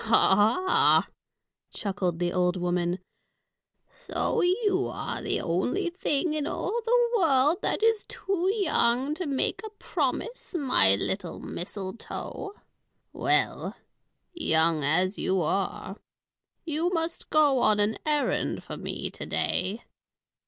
"Ho, ho!" chuckled the old woman. "So you are the only thing in all the world that is too young to make a promise, my little mistletoe. Well, young as you are, you must go on an errand for me to day.